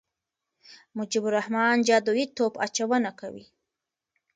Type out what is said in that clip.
مجيب الرحمن جادويي توپ اچونه کوي.